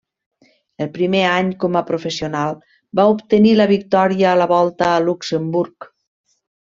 El primer any com a professional va obtenir la victòria a la Volta a Luxemburg.